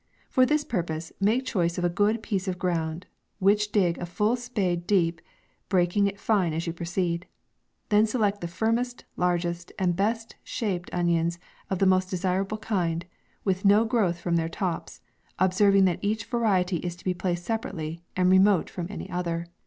For this purpose, make choice of a good piece of ground, which dig a full spade deep, breaking it fine as you proceed. Then select the firmest, largest, and best shaped onions of the most desirable kind, with no growth from their tops ; observing that each variety is to be placed separately, and re mote from any other.